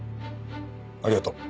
ありがとう。